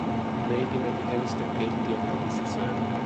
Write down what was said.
Neiti meni hälisten keittiön läpi sisään.